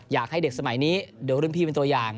อยากให้เด็กสมัยนี้เดี๋ยวรุ่นพี่เป็นตัวอย่าง